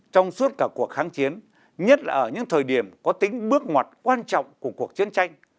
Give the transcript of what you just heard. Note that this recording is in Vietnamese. trong suốt cả cuộc kháng chiến nhất là ở những thời điểm có tính bước ngoặt quan trọng của cuộc chiến tranh